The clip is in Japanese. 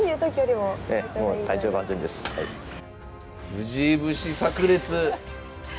藤井節さく裂！